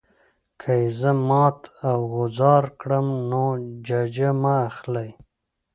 که یې زه مات او غوځار کړم نو ججه مه اخلئ.